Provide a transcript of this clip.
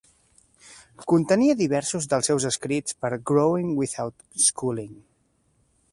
Contenia diversos dels seus escrits per "Growing Without Schooling".